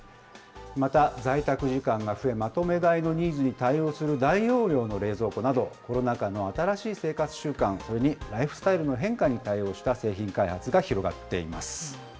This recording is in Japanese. また、在宅時間が増え、まとめ買いのニーズに対応する大容量の冷蔵庫など、コロナ禍の新しい生活習慣、ライフスタイルの変化に対応した製品開発が広がっています。